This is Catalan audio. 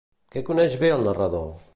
Què coneix bé el narrador?